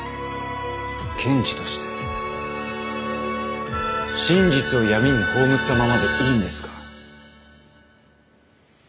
検事として真実を闇に葬ったままでいいんですか？